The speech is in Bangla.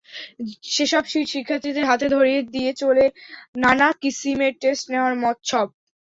সেসব শিট শিক্ষার্থীদের হাতে ধরিয়ে দিয়ে চলে নানা কিসিমের টেস্ট নেওয়ার মচ্ছব।